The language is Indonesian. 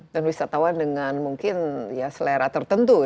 dan wisatawan dengan mungkin ya selera tertentu ya